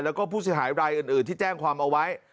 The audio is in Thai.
แล้วก็ผู้เสียหายรายอื่นที่แจ้งความเอาไว้